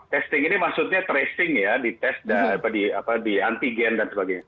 testing ini maksudnya tracing ya dites di antigen dan sebagainya